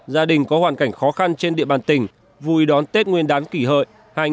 gia đình có hoàn cảnh khó khăn trên địa bàn tỉnh vui đón tết nguyên đán kỷ hợi hai nghìn một mươi chín